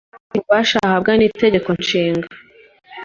ububasha ahabwa nitegeko nshinga